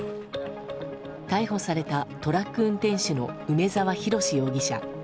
逮捕されたトラック運転手の梅沢洋容疑者。